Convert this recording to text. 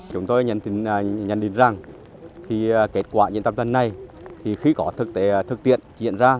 chúng tôi nhận tin rằng kết quả diễn tập thân này khi có thực tiện diễn ra